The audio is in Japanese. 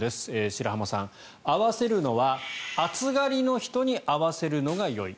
白濱さん、合わせるのは暑がりの人に合わせるのがよい。